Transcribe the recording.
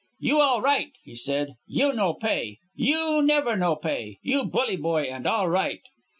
"You all right," he said. "You no pay. You never no pay. You bully boy and all right."